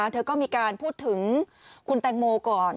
เธอก็มีการพูดถึงคุณแตงโมก่อน